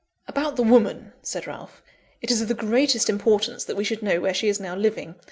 "About the woman," said Ralph; "it is of the greatest importance that we should know where she is now living.